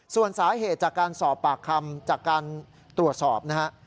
ส่วนสาเหตุจากการสอบปากคำจากการตรวจสอบนะฮะ